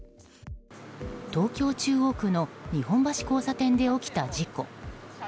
東京・中央区の日本橋交差点で起きた事故。